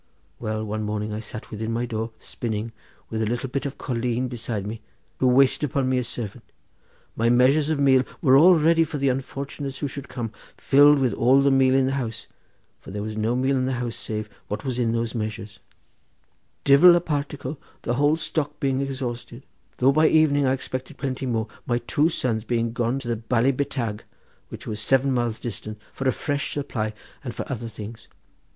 Well, one morning I sat within my door spinning, with a little bit of a colleen beside me who waited upon me as servant. My measures of meal were all ready for the unfortunates who should come, filled with all the meal in the house; for there was no meal in the house save what was in those measures—divil a particle, the whole stock being exhausted; though by evening I expected plenty more, my two sons being gone to the ballybetagh, which was seven miles distant, for a fresh supply, and for other things.